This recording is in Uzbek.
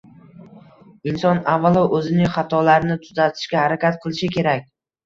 Inson, avvalo, o‘zining xatolarini tuzatishga harakat qilishi kerak.